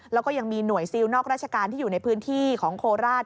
แล้วก็ยังมีหน่วยซิลนอกราชการที่อยู่ในพื้นที่ของโคราช